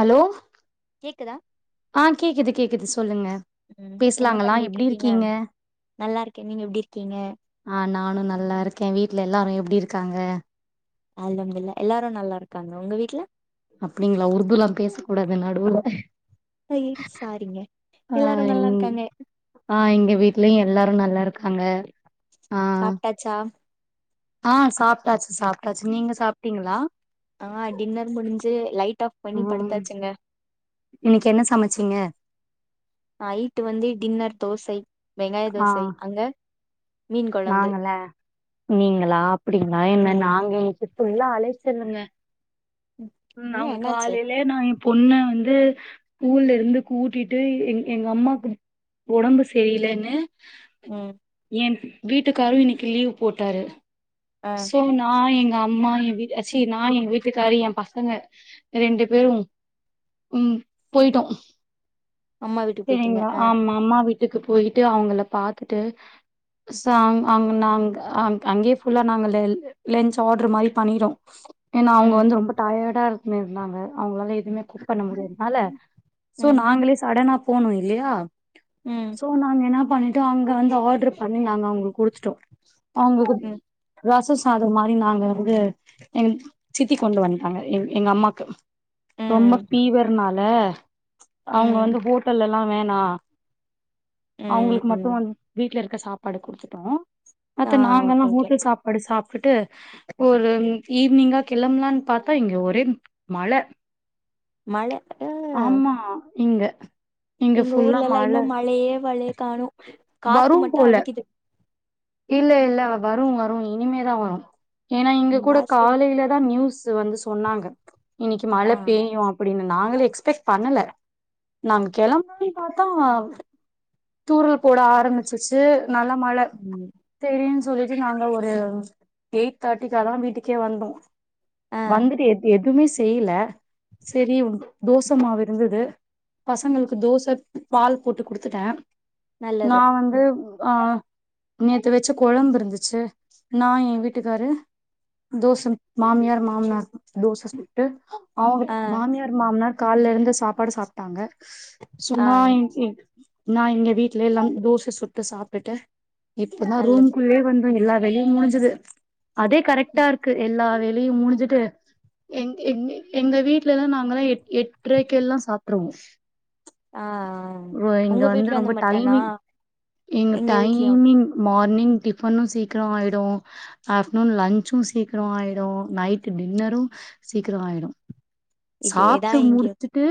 allow கேக்குதா ஆ கேக்குது கேக்குது சொல்லுங்க ம் பேஷ்லாங்ளா எப்டி இருக்கீங்க நல்லாருக்கே நீங்க எப்டி இருக்கீங்க ஆ நானு நல்லா இருக்கே வீட்ல எல்லாரு எப்டி இருக்காங்க [unintelligible] தில்ல எல்லாரு நல்லாருக்காங்க உங்க வீட்ல அப்டிங்களா உருதுலா பேச கூடாது நடுவுல [unintelligible] சாரிங்க ஆ எல்லாரு எங் நல்லாருக்காங்க ஆ எங்க வீட்லயு எல்லாரு நல்லா இருக்காங்க ஆ சாப்ட்டாச்சா ஆ சாப்ட்டாச்சு சாப்ட்டாச்சு நீங்க சாப்ட்டீங்களா ஆ டின்னர் முடிஞ்சு லைட் ஆஃப் பண்ணி ம் படுத்தாச்சுங்க இன்னைக்கு என்ன சமைச்சீங்க நைட் வந்து டின்னர் தோசை வெங்காய தோசை அங்க மீன் கொழம்பு நாங்கள நீங்களா அப்டிங்களா என்ன ம் நாங்க இன்னைக் ஃபுல்லா அலைச்சலுங்க ம் ஏன், அவுங்க என்னாச்சு காலைலே நா ஏன் பொண்ண வந்து ஸ்கூல்ல இருந்து கூட்டிட்டு எங் எங்க அம்மாக்கு ஒடம்பு செரிலன்னு ம் என் வீட்டுக்காரு இன்னைக்கு லீவ் போட்டாரு ஆ சோ நா எங்கம்மா எங் வீட் அச்சி நா எங்க வீட்டுக்காரு என் பசங்க ரெண்டு பேரு ம் போயிட்டோ அம்மா வீட்டுக்கு போயிட்டீங்க செரிங்லா ஆ ஆமா அம்மா வீட் வீட்டுக்கு போயிட்டு அவங்கள பாத்துட்டு சோ அங் அங் நாங் அங் அங்கே ஃபுல்லா நாங்க லெ லென்சு ஆட்ரு மாரி பண்ணிரோ ஏனா அவுங்க ம் வந்து ரொம்ப டயர்டா இருக்குன்னு இருந்தாங்க அவுங்ளால எதுமே குக்குபண்ண முடியதுனால சோ ம் நாங்களே சடனா போனு இல்லையா ம் அப்ப நாங்க என்ன பண்ணிட்டோ அங்க வந்து ஆர்டர் பண்ணி நாங்க அவங்களுக்கு குடுத்துட்டோ சோ ம் அவுங்களுக்கு ரச அத மாரி நாங்க வந்து எங் சித்தி கொண்டு வண்ட்டாங்க எங் எங்க அம்மாக்கு ரொம்ப ம் ஃபீவர்னால அவங்க ம் வந்து ஹோட்டல்ல எல்லா வேணா அவங்களுக்கு மட்டு வ ம் வீட்டு்ல இருக்க சாப்பாடு குடுத்துட்டோ ஆ மத்த ஓகே நாங்கல்லா ஓகே ஹோட்டல் சாப்பாடு சாப்பிட்டு ஒரு ஈவினிங்கா கெளம்பலான்னு பாத்தா இங்க ஒரே மழ மழ ஆ ஆமா இங்க இங்க எங்க ஃபுல்லா ஊர்ல எல்லா மழ இன்னு மழையே வழையே காணோ காத்து வரும் மட்டு போல அடிக்கிது இல்ல இல்ல வரு வரு இனிமேதா வரு ஏன்னா இங்க இந்தா கூட செரி காலைலதா நியூஸ் வந்து சொன்னாங்க இன்னக்கி மழ ஆ பெய்யு அப்டின்னு நாங்களே எக்ஸ்பெக்ட் பண்ணல நாங்க கெளம்பனுன்னு பாத்தா தூரல் போட ஆரம்பிச்சிருச்சி நல்ல மழ ம் செரின்னு சொல்லிட்டு நாங்க ஒரு எயிட் தேர்ட்டிக்காதா வீட்டுக்கே வந்தோ ஆ வந்துட்டு எ எதுவுமே செய்யல செரி தோச மாவு இருந்தது பசங்களுக்கு தோச பால் போட்டு குடுத்துட்டே நா நல்லது வந்து ம், ஆ நேத்து வச்ச கொழம்பு இருந்துச்சு நா ஏ வீட்டுக்காரு தோசம் மாமியார் மாமனார் தோச சு ட்டு அவங்க ஆ மாமியார் மாமனார் கால்ல இருந்த சாப்பாடு சாப்ட்டாங்க ஆ சுகுணா நா எங்க வீட்ல எல்லாம் தோச சுட்டு சாப்ட்டுட்டு இப்பதா நல்லது ரூம்க்குள்ளயே வந்து எல்லா வேலையு முடிஞ்சது அதே கரெக்ட்டா இருக்கு எல்லா வேலையு முடிஞ்சுட்டு எங் எங் எங்க வீட்ல எல்லா நாங்கல்லா எ எட்டரைக்கெல்லா சாப்ட்ருவோ ஆ ஆ வ இங்க உங்க வந்து வீட்லயு அந்த ரொம்ப மாரிதானா டைமிங் இங்க எங்க வீட்லயு டைமிங் மார்னிங் டிஃபன்னு சீக்கிரோ ஆயிடு ஆஃப்டர்நூன் லன்சு சீக்கிரோ ஆயிடு நைட் டின்னரு சீக்கிரோ ஆயிடு இதேதா சாப்ட்டு இங்கயு முடிச்சிட்டு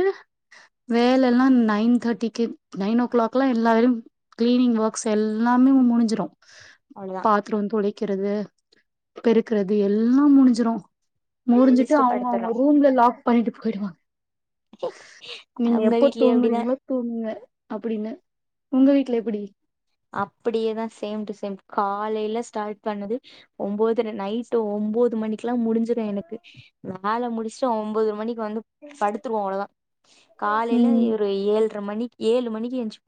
வேல எல்லா நயன் தேர்ட்டிக்கி நயன் ஓ கிளாக்ல்லா எல்லா வேலையு கிளீனிங் வொர்க்ஸ் எல்லாமே முடிஞ்சிரு அவ்ளோதா பாத்தரோ தொலைக்கிறது பெருக்குறது எல்லா முடிஞ்சிரு முடிஞ்சிட்டு முடிச்சுட்டு அவங்க அவங்க படுத்துறோ ரூம்ல லாக் பண்ணிட்டு போயிடுவாங்க நீங்க உங்க எப்ப வீட்லயு அப்டிதா தூங்குறீங்களோ தூங்குங்க அப்டின்னு உங்க வீட்டுல எப்டி அப்டியேதா சேம் டு சேம் காலையில ஸ்டார்ட் பண்ணது ஒம்போதர நைட் ஒம்போது மணிக்கு எல்லா முடிஞ்சுரு எனக்கு வேல முடிச்சிட்டா ஒன்போதர மணிக்கி வந்து படுத்துருவோ அவ்ளோதா காலையில ம் ஒரு ஏழரை மணிக் ஏழு மணிக்கு எந்திரிச்சு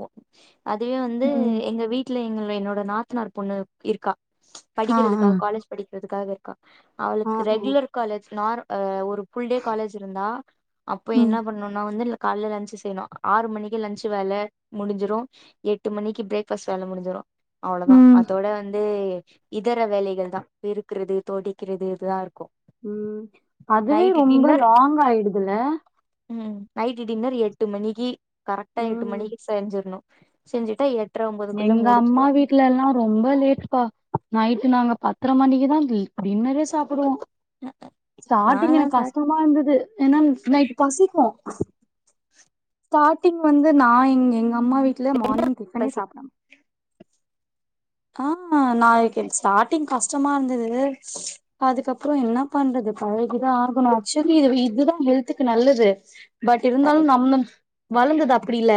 அதுவே வந்து ம் எங்க வீட்ல எங்க என்னோட நாத்தனார் பொண்ணு இருக்கா ஆ ஆ படிக்கிறதுக்காக காலேஜ் படிக்கிறதுக்காக இருக்கா ஆ அவளுக்கு ஆ ரெகுலர் காலேஜ் நார் ஒரு ஃபுல் டே காலேஜ் இருந்தா அப்ப ம் என்ன பண்ண ஒன்னொன்னா வந்து காலையில லஞ்ச் செய்யணு ஆறு மணிக்கே லஞ்சு வேலை முடிஞ்சிடும் எட்டு மணிக்கு பிரேக் ஃபர்ஸ்ட் வேல முடிஞ்சிடு அவ்ளோதா ம் அத்தோட வந்து இதர வேலைகள்தா பெருக்குறது தொடைக்குறது இதுதா இருக்கு ம் அதுவே நைட்டு ரொம்ப டின்னர் லாங் ஆயிடுதுல்ல ம் நைட்டு் டின்னர் எட்டு மணிக்கி கரெக்டா எட்டு ம் மணி செஞ்சிர்ணு செஞ்சிட்டா எ எங்க அம்மா வீட் வீட்ல எல்லா ரொம்ப லேட் பா நைட்டு நாங்க பத்தரை மணிக்குதா டின்னரே சாப்பிடுவோ ஸ்டார்டிங் நாலா எனக்கு சாப்ட்டு கஷ்டமா இருந்தது ஏனா நைட்டு பசிக்கு ஸ்டார்டிங வந்து நா இங் எங்க அம்மா வீட்ல மார்னிங் குக் பண்ணி பசி சாப் ஆ நாளைக்கி எனக் ஸ்டார்டிங் கஷ்டமா இருந்தது அதுக்கப்புற என்ன பண்றது பழகிதா ஆகணு ஆக்சுவலி இது இதுதா ஹெல்த்துக்கு நல்லது பட் இருந்தாலு கரெக்ட் நம்ம வளந்தது அப்படில்ல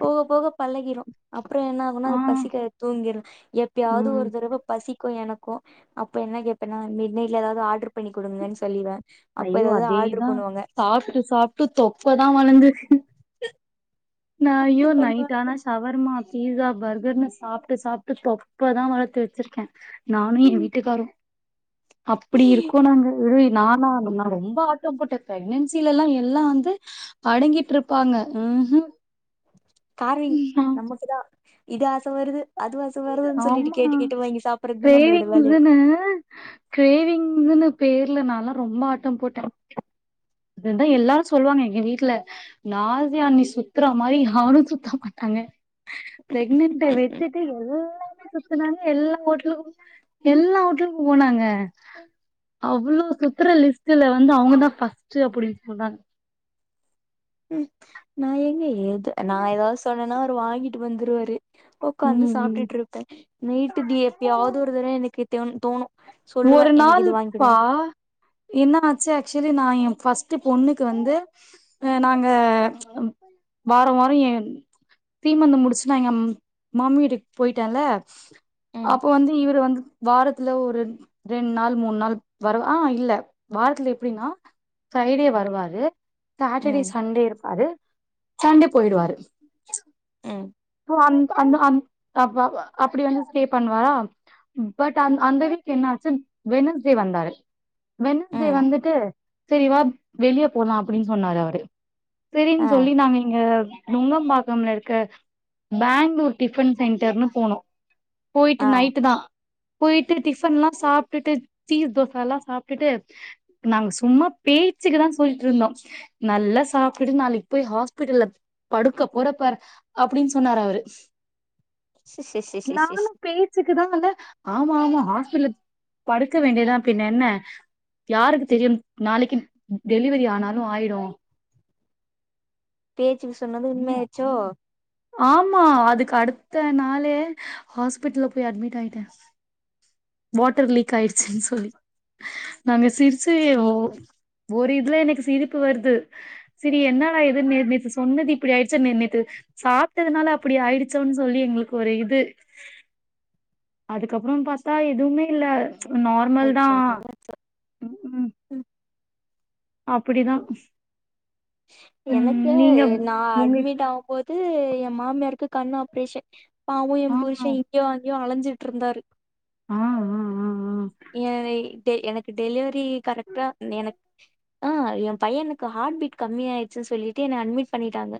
போக போக பழகிரு அப்புற என்ன ஆகுனா ஆ அது பசிக்காது தூங்கிறே எட் எப்பயாவது ம் ஒரு தரவ பசிக்கு எனக்கு அப்ப என்ன கேப்பேன்னா மிட்நைட்ல எதாவது ஆர்டர் பண்ணி குடுங்கன்னு சொல்லிருவே அப்ப ஐயோ ஏதாவது ஆர்டர் அதேதா பண்ணுவாங்க சாப்ட்டு சாப்ட்டு தொப்பதா வளந்து நா ஜயோ ஆர்டர் நைட் பண்ணுவாங்க ஆனா சவர்மா பீஸா பர்கர்னு சாப்ட்டு சாப்ட்டு தொப்பதா வளத்து வச்சிருக்கே நானும் எ வீட்டுக்காரு அப்டி இருக்கோ நாங்க நானா அனனா ரொம்ப ஆட்டம் போட்டே பிரெக்னன்சில எல்லா வந்து அடங்கிட்டு இருப்பாங்க ம்ஹு கார்விங் நமக்குதா இது ஆச வருது அது ஆச வருதுன்னு சொல்லிட்டு ஆமா கேட்டு கேட்டு வாங்கி சாப்பிடுறது தா நம்மளோட வேலை இருக்கு கிரேவிங்ன்னு பேர்ல நான்ல்லா ரொம்ப ஆட்டம் போட்டே அததா எல்லாரு சொல்லுவாங்க எங்க வீட்ல நாசியா அண்ணி சுத்துற மாரி யாரு சுத்த மாட்டாங்க ப்ரெக்னன்ட் இருக்கு எல்லாருமே சுத்துனாங்க எல்லா ஹோட்டலுக்கு எல்லா ஹோட்டலுக்கு போனாங்க அவ்ளோ சுத்துற லிஸ்ட்ல வந்து அவுங்க தா ஃபர்ஸ்ட்டு அப்டின் சொல்றாங்க ம் நா எங்க ஏது நா ஏதாவது சொன்னேன்னா அவரு வாங்கிட்டு வந்துருவாரு உக்காந்து ம் சாப்ட்டுட்டு ம் இருப்பே நைட்டுக்கு எப்பையாவது ஒரு தரம் எனக்கு தோணு சொல்லுவே ஒரு எனக்கு நாள் இது வாங்கிக்குடு பா என்ன ஆச்சி ஆக்சுவலி நா என் ஃபர்ஸ்ட்டு பொண்ணுக்கு வந்து நாங்க வார வார என் சீமந்தம் முடிச்சி நா எங்க மாம் வீட்டுக்கு போயிட்டேல்ல ம் அப்போ வந்து இவரு வந்து வாரத்துல ஒரு ரெண்டு நாள் மூணு நாள் வர ஆ இல்ல வாரத்துல எப்டின்னா ஃப்ரைடே வருவாரு சாட்டர்டே ம் சண்டே இருப்பாரு சண்டே போயிடுவாரு ம் அந் அந் அந்த அப்டி அப்படி வந்து ஸ்டே பண்ணுவாரா பட் அ அந்த வீக் என்ன ஆச்சி வென்ஸ்டே வந்தாரு வென்ஸ்டே ம் வந்துட்டு செரி வா வெளிய போலா அப்படின்னு சொன்னாரு அவரு சரின்னு ஆ சொல்லி நாங்க இங்க நுங்கம்பாக்கம்ல இருக்க பெங்களூர் டிஃபன் சென்டர்னு போனோ போயிட்டு ஆ நைட்டு தா போயிட்டு டிஃபன்ல்லா சாப்ட்டுட்டு சீஸ் தோசல்லா சாப்ட்டுட்டு நாங்க சும்மா பேச்சுக்குதா சொல்ட்டு இருந்தோ நல்லா சாப்ட்டுட்டு நாளைக்கி போய் ஹாஸ்பிட்டல்ல படுக்க போறப்பாரு அப்டின் சொன்னாரு அவரு சி சி சி சி சி நானு சி பேச்சிக்குதா ஆமா ஆமா ஹாஸ்பிட்டல் படுக்க வேண்டியதா பின்ன என்ன யாருக்கு தெரியு நாளைக்கி டெலிவரி ஆனாலு ஆய்டு பேச்சிக்கு சொன்னது உண்மை ஆயிச்சோ ஆமா அதுக்கு அடுத்த நாளே ஹாஸ்பிட்டல்ல போய் அட்மிட் ஆயிட்ட வாட்டர் லீக் ஆயிடுச்சுன் சொல்லி நாங்க சிரிச்சு யோ ஒரு இதுல எனக்கு சிரிப்பு வருது செரி என்னடா இதுன்னு நே நேத்து சொன்னது இப்டி ஆயிடுச்ச நேத்து சாப்ட்டதுனால அப்டி ஆயிடுச்சோன்னு சொல்லி எங்குளுக்கு ஒரு இது அதுக்கப்பறோ பாத்தா எதுமே இல்ல நார்மல் தா ஆச்சோ அப்பிடிதா எனக்கு நா உங்க அட்மிட் ஆவும்போது என் மாமியருக்கு கண் ஆப்ரேஷன் பாவு ஆ என் ஆ புருஷே இங்யு அங்யு அலஞ்சிட் இருந்தாரு ஆ ஆ ஆ ஆ ஏனே டெ எனக்கு டெலிவரி கரெக்டா எனக் ஆ ஏ பையனுக்கு ஹார்ட் பீட் கம்மி ஆயிச்சுனு சொல்லிட்டு என்ன அட்மிட் பண்ணிட்டாங்க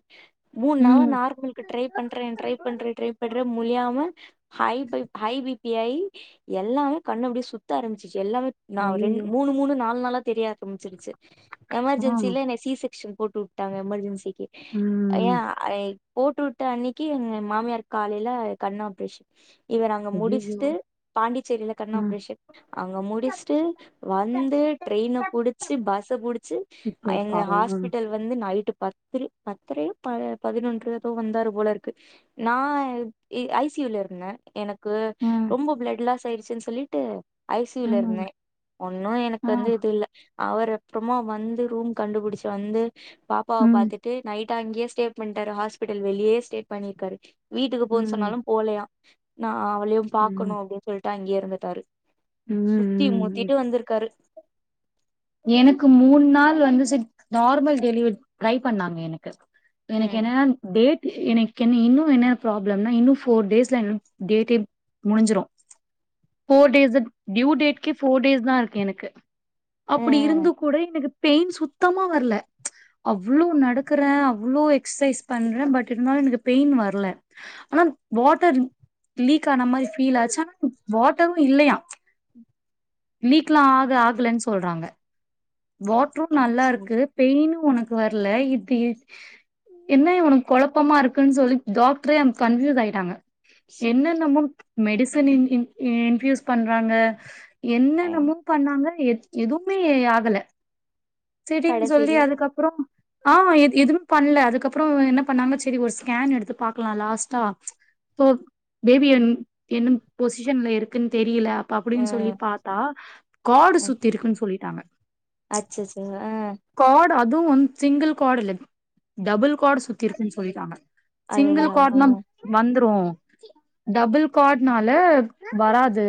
மூண் நாள் லா ம் நார்மலுக்கு ட்ரை பண்ற ட்ரை பண்ற ட்ரை பண்ற முடியாம ஹை பைப் ஹை பி பி ஆயி எல்லாமே கண்ணு அப்டியே சுத்த ஆரம்பிச்சிச்சு எல்லாமே நா ரெண் அய்யய்யோ மூணு மூணு நாலு நாளா தெரிய ஆரம்பிச்சிடுச்சு ஆ எமர்ஜென்சியில என்ன சீ செக் ஸ்ஷன் போட்டு வுட்டாங்க எமர்ஜென்சிக்கு ம் ஏன் ஐ போட்டு வுட் வுட்ட அன்னிக்கி எங்க மாமியார்க் காலையில கண்ணு ஆப்ரேஷன் இவுர் அங்க அய்யய்யோ முடிஷ்ட்டு பாண்டிச்சேரியில கண் ஆ ஆப்ரேஷன் அங்க முடிஷ்ட்டு வந்து ட்ரெயின்ன புடிச்சு பஸ்ச புடிச்சு இப்போ எங்க பாவோ ம் ஹாஸ்பிட்டல் வந்து நைட்டு பத்திரி பத்தரையோ பதினொன்றோ ஏதோ வந்தாரு போலருக்கு நா ஐ சி யூ ல இருந்த எனக்கு ரொம்ப பிளட் லாஸ் ஆயிருச்சுன் சொல்லிட்டு ஐ சி யூ ல இருந்த ம் ஒன்னு எனக்கு ஆ வந்து இது இல்ல அவர் அப்றமா வந்து ரூம் கண்டுபுடுச்சி வந்து பாப்பா வ ம் பாத்துட்டு நைட்டு அங்கயே ஸ்டே பண்ட்டாரு ஹாஸ்பிடல் வெளியே ஸ்டே பண்ணிருக்காரு வீட்டுக்கு போ ன் ம் சொன்னாலு போலயா நா அவளியு ம் பாக்கணு அப்டின் சொல்ட்டு அங்கயே இருந்துட்டாரு ம் முட்டி ம் மோத்திட்டு வந்துருக்காரு எனக்கு மூண் நாள் வந்து செரி நார்மல் டெலிவரிகு ட்டிரை பண்ணாங்க எனக்கு எனக்கு ம் என்னனா டேட் எனக்கு என்ன இன்னு என்ன ப்பிராப்ளம்னா இன்னு ஃபோர் டேஸ்ல டேட்டே முடிஞ்சிரு ஃபோர்டேஸ்சு டியு டேட்கே ஃபோர் டேஸ்தா இருக்கு எனக்கு ஆ அப்டி இருந்து கூட எனக்கு பெயின் சுத்தமா வர்ல அவ்ளோ நடக்கற அவ்ளோ எக்ஸ்சசைஸ் பண்ற பட் இருந்தாலு எனக்கு பெயின் வர்ல ஆனா வாட்டர் லீக் ஆன மாரி ஃபீல் ஆச்சு ஆனா வாட்டரு இல்லயா லீக்லா ஆக ஆகலன் சொல்றாங்க வாட்ரும் நல்லா அச்சோ இருக்கு பெயினு ஒனக்கு வர்ல இது என்ன உனக் கொலப்பமா இருக்குன் சொல்லி டாக்ட்ரே கன்ஃப்பியூஸ் ஆய்ட்டாங்க என்னென்னமோ மெடிசன் இன் இன் இன்ஃபியூஸ் பண்றாங்க ஆ என்னென்னமோ பண்ணாங்க எ எதுமே ஆகல செரின் சொல்லி கடைசில அதுக்கப்பறோ ஆமா எது-எதுமே பண்ல அதுக்கப்பறம் என்ன பண்ணாங்க செரி ஒரு ஸ்கேன் எடுத்து பாக்கலா லாஸ்ட்டா போ பேபி என் என்னும் பொசிஷன்ல இருக்குன் தெரியில அப்டின் சொல்லி ம் பாத்தா கார்டு ம் சுத்தி இருக்குன் சொல்லிட்டாங்க அச்சச்சோ ஆ கார்டு அதுவு வந்து சிங்கிள் கார்டு இல்ல டபுள் கார்ட் சுத்தி இருக்குன்னு சொல்லிட்டாங்க சிங்கிள் அதுல்லா ஆ கார்ட்னாம் வந்துரூ டபுள் கார்ட்னால வராது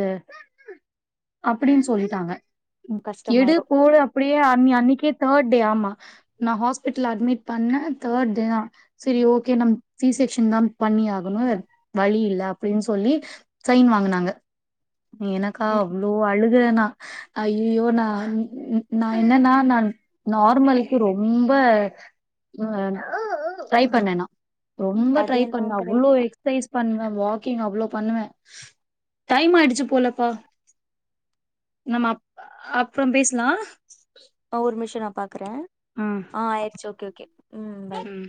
அப்படின்னு சொல்லிட்டாங்க எடு கஷ்டமாயிரு போடு அப்படியே அ அன்னக்கே தேர்ட் டே ஆமா நா ஹாஸ்பிடல் அட்மிட் பண்ண தேர்ட் டே தா சரி ஓகே நம் சீ செக்ஷ்ன் தா பண்ணியாகணு வழி இல்ல அப்படின்னு சொல்லி சைன் வாங்குனாங்க எனக்கா ம் அவ்ளோ அழு து நா அய்யய்யோ நா நா என்னன்னா நான் நார்மலுக்கு ரொம்ப ட்ரை பண்ண நா ரொம்ப அது ட்ரை பண்ண என்னவோ அவ்ளோ கரெக்ட் எக்ஸ் எக்கைஸ் பண்ணுவ வாக்கிங் அவ்ளோ பண்ணுவே டைம் ஆயிடுச்சு போலப்பா நம்மப் அப்றொ பேசலா ஆ ஒருமிஷ நா பாக்குற ஆ ஆ ஆயிருச்சு ஓகே ஓகே பாய் உம்